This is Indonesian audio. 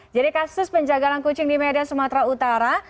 jadi kasus penjagalan kucing di medan sumatera utara